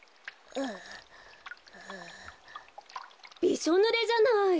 びしょぬれじゃない！